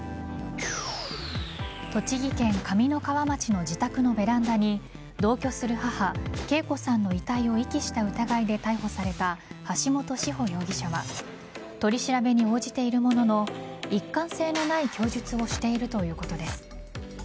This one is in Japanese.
栃木県上三川町の自宅のベランダに同居する母・啓子さんの遺体を遺棄した疑いで逮捕された橋本志穂容疑者は取り調べに応じているものの一貫性のない供述をしているということです。